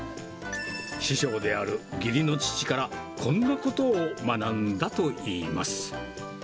師匠である義理の父から、こんなことを学んだといいます。